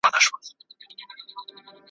که سړه شپه اوږده سي ,